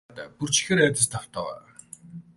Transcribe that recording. Бүсгүй энэ байдлыг хараад бүр ч ихээр айдаст автав.